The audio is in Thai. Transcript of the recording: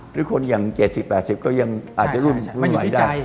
หรือคนอย่าง๗๐๘๐ก็ยังอาจจะรุ่นไม่ไหวได้